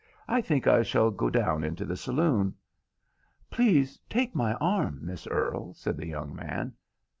I think I shall go down into the saloon." "Please take my arm, Miss Earle," said the young man.